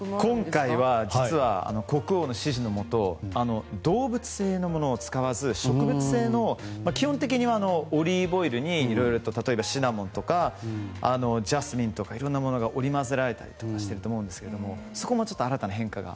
今回は、実は国王の指示のもと動物性のものを使わず植物性の基本的にはオリーブオイルにいろいろと例えばシナモンとかジャスミンとかいろんなものが織り交ぜられていたりしていると思うんですがそこも新たな変化が。